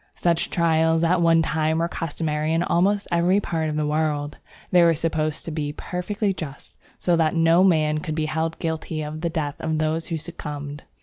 Such trials at one time were customary in almost every part of the world. They were supposed to be perfectly just, so that no man could be held guilty of the death of those who succumbed.